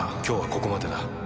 今日はここまでだ。